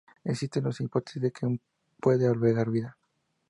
Existe la hipótesis de que puede albergar vida.